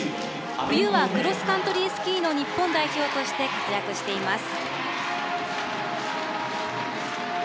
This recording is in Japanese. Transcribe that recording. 冬はクロスカントリースキーの日本代表として活躍しています。